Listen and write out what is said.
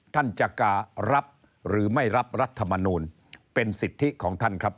ท่านจะการับหรือไม่รับรัฐมนูลเป็นสิทธิของท่านครับ